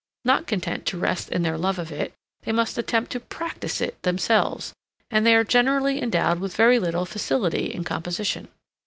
Not content to rest in their love of it, they must attempt to practise it themselves, and they are generally endowed with very little facility in composition.